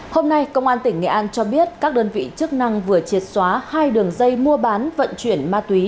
hôm nay công an tỉnh nghệ an cho biết các đơn vị chức năng vừa triệt xóa hai đường dây mua bán vận chuyển ma túy